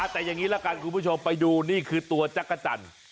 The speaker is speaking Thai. แต่อย่างนี้ละกันคุณผู้ชมไปดูนี่คือตัวจักรจันทร์